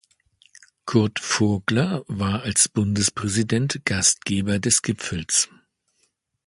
Kurt Furgler war als Bundespräsident Gastgeber des Gipfels.